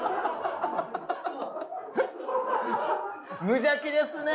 無邪気ですね。